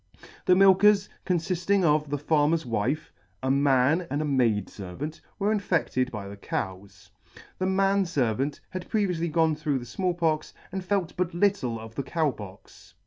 The milkers, confiding of the farmer's wife, a man and a maid fervant, were infected by the cows. The man C 63 ] man fervant had previoufly gone through the Small Pox, and felt but little of the Cow Pox.